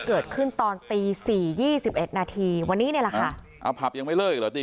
เกิดขึ้นตอนตีสี่ยี่สิบเอ็ดนาทีวันนี้นะค่ะอ้าวพักยังไม่เล่าอยู่ดี